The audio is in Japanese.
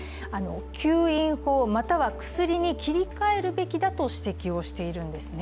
吸引法、または薬に切り替えるべきだと指摘をしているんですね。